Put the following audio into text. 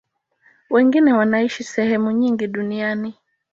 Wengine wanaishi sehemu nyingi duniani.